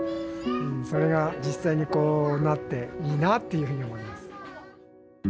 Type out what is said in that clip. それが実際にこうなっていいなあっていうふうに思います。